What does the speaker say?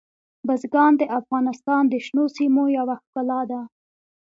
بزګان د افغانستان د شنو سیمو یوه ښکلا ده.